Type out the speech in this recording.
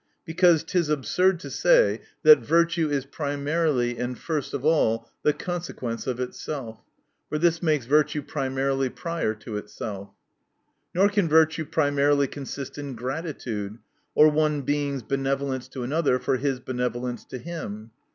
Because it is absurd, to say that vir tue is primarily and first of all the consequence of itself. For this makes virtue primarily prior to itself. Nor can virtue primarily consist in gratitude ; or one Being's benevolence to another for his benevolence to him.